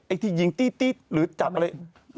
ไอ้ที่ยิงตี้หรือจับอะไร